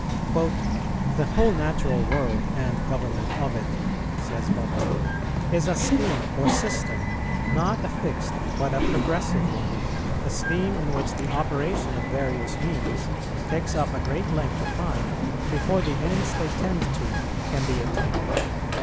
"The whole natural world and government of it," says Butler, "is a scheme or system; not a fixed, but a progressive one; a scheme in which the operation of various means takes up a great length of time before the ends they tend to can be attained.